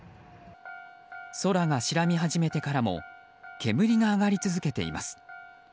空が白み始めてからも煙が上がり続けています。